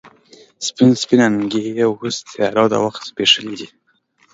سپین، سپین اننګي یې اوس تیارو د وخت زبیښلې دي